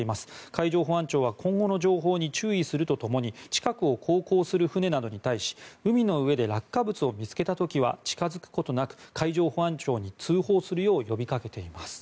海上保安庁は今後の情報に注意するとともに近くを航行する船などに対し海の上で落下物を見つけた時は近付くことなく海上保安庁に通報するよう呼びかけています。